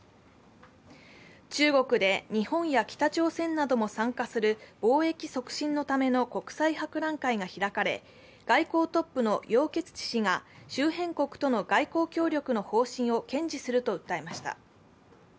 中国で日本や北朝鮮なども参加する貿易促進のための国際博覧会が開かれ外交トップの楊潔チ氏が周辺国との外交協力の方針を堅持すると訴えました。